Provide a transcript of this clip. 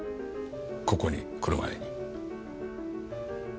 ここに来る前に。